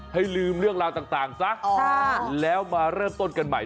ให้ลืมเรื่องราวต่างซะแล้วมาเริ่มต้นกันใหม่